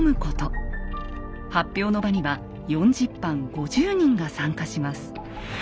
発表の場には４０藩５０人が参加します。